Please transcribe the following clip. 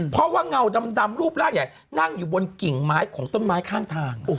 เพราะว่าเงาดำรูปร่างใหญ่นั่งอยู่บนกิ่งไม้ของต้นไม้ข้างทาง